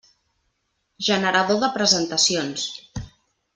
Generador de presentacions.